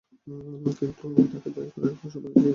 কিন্তু তাকে দয়া করার সুপারিশ দিয়েছিলেন।